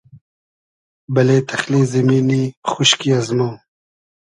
بئلې تئخلې زیمینی خوشکی ازمۉ